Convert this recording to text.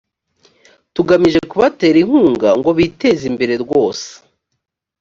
tugamije kubatera inkunga ngo bitezimbere rwose.